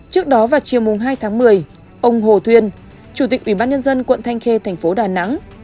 trước đó vào chiều mùng hai tháng một mươi ông hồ thuyên chủ tịch ubnd quận thanh khê thành phố đà nẵng